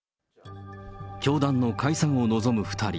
教団の解散を望む２人。